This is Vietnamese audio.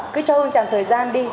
cứ cho hơn chẳng thời gian đi